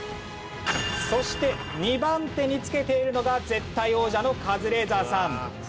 そして２番手につけているのが絶対王者のカズレーザーさん。